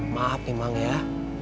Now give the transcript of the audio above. maaf nih emang ya